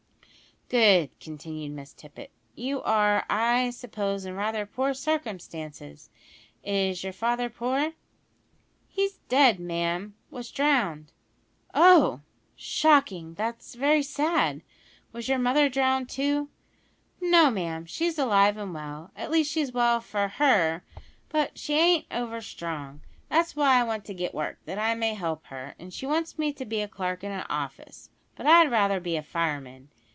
"Good," continued Miss Tippet. "You are, I suppose, in rather poor circumstances. Is your father poor?" "He's dead, ma'am; was drowned." "Oh! shocking, that's very sad. Was your mother drowned, too?" "No, ma'am, she's alive and well at least she's well for her, but she an't over strong. That's why I want to get work, that I may help her; and she wants me to be a clerk in a office, but I'd rather be a fireman.